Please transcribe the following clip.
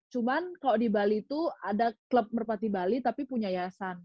cuman kalau di bali itu ada klub merpati bali tapi punya yayasan